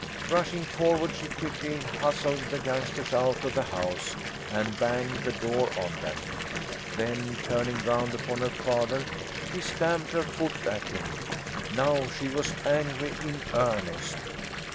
Rushing forward she quickly hustled the youngsters out of the house, and banged the door on them. Then turning round upon her father she stamped her foot at him. Now she was angry in earnest.